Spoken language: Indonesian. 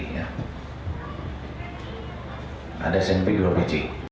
ternyata isinya karung itu ada senti